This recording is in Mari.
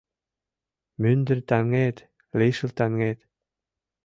Мӱндыр таҥет, лишыл таҥет —